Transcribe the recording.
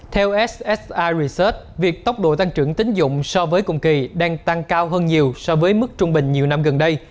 theo ssi resart việc tốc độ tăng trưởng tính dụng so với cùng kỳ đang tăng cao hơn nhiều so với mức trung bình nhiều năm gần đây